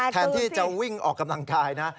แทนที่จะวิ่งออกกำลังกายนะ